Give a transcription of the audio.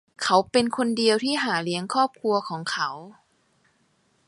เขาเป็นคนเดียวที่หาเลี้ยงครอบครัวของเขา